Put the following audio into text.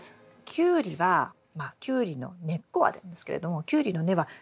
キュウリはキュウリの根っこはなんですけれどもキュウリの根は酸素が大好き。